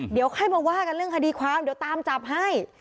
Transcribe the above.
เดี๋ยวค่อยมาว่ากันเรื่องคดีความเดี๋ยวตามจับให้